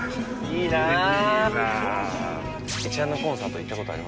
いいなあ。